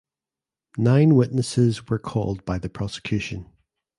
Nine witnesses were called by the prosecution.